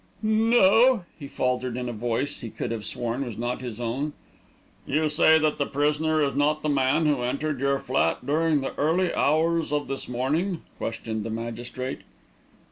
"N no," he faltered in a voice he could have sworn was not his own. "You say that the prisoner is not the man who entered your flat during the early hours of this morning?" questioned the magistrate.